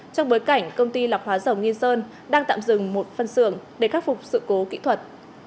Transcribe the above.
trong bối cảnh công ty lọc hóa dầu nghi sơn đang tạm dừng một phân xưởng để khắc phục sự cố kỹ thuật